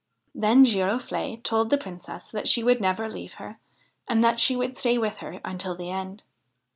Then Girofle'e told the Princess that she would never leave her, and that she would stay with her until the end.